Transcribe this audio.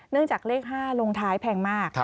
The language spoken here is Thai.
จากเลข๕ลงท้ายแพงมาก